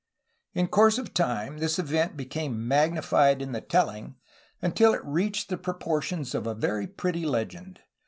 In course of time this event became magnified in the telling until it reached the proportions of a very pretty legend.